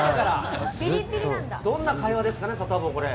どんな会話ですかね、サタボー、これ。